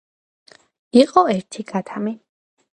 იყო ერთი ქათამი